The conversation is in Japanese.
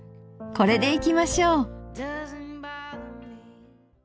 これでいきましょう。